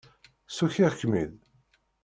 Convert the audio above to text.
Ssukiɣ-kem-id?